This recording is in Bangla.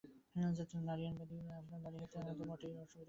নাড়িয়াদ ষ্টেশন থেকে আপনার বাড়ী যেতে আমার মোটেই অসুবিধা হয়নি।